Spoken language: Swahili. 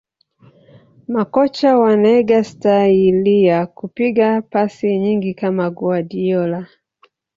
Makocha wanaiga staili ya kupiga pasi nyingi kama Guardiola